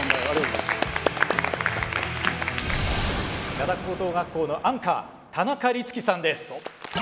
灘高等学校のアンカー田中律輝さんです。